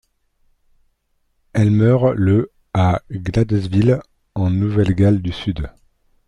Elle meurt le à Gladesville, en Nouvelle-Galles du Sud.